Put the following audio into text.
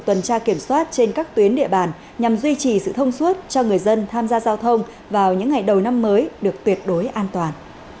tuần tra kiểm soát trên các tuyến địa bàn nhằm duy trì sự thông suốt cho người dân tham gia giao thông vào những ngày đầu năm mới được tuyệt đối an toàn